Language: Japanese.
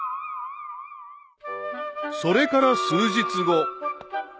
［それから数日後］